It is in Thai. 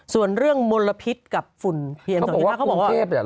ส่วนเรื่องมลพิษกับฝุ่นเพียงส่วนเกียรติศาสตร์